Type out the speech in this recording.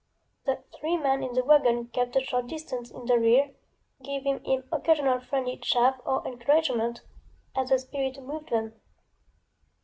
The three men in the wagon kept a short distance in the rear, giving him occasional friendly ŌĆ£chaffŌĆØ or encouragement, as the spirit moved them.